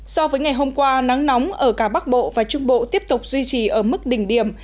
so với ngày hôm qua nắng nóng ở cả bắc bộ và trung bộ tiếp tục duy trì ở mức đỉnh điểm